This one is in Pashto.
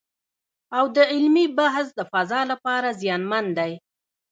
او د علمي بحث د فضا لپاره زیانمن دی